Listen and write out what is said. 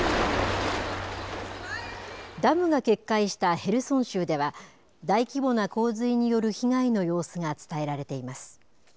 ダムが決壊したヘルソン州では、大規模な洪水による被害の様子が伝えられています。